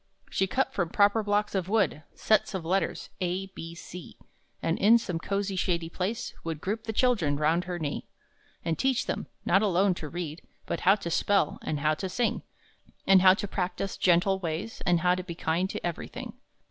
She cut from proper blocks of wood Sets of the letters: A, B, C; And in some cosy shady place Would group the children round her knee And teach them not alone to read, But how to spell, and how to sing; And how to practice gentle ways, And to be kind to everything.